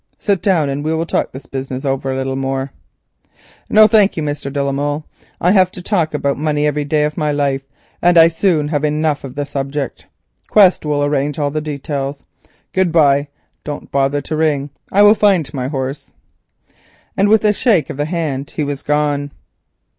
Sit down and we will talk this business over a little more." "No, thank you, Mr. de la Molle, I have to talk about money every day of my life and I soon have enough of the subject. Quest will arrange all the details. Good bye, don't bother to ring, I will find my horse." And with a shake of the hand he was gone.